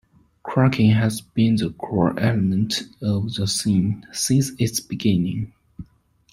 Cracking has been the core element of The Scene since its beginning.